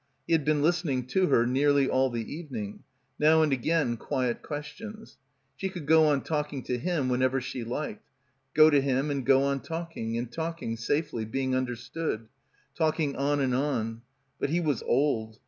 He had been listening to her nearly all the evening. Now and again quiet questions. She could go on talking to him whenever she liked. Go to him and go on talking, and talking, safely, being understood. Talking on and on. But he was old.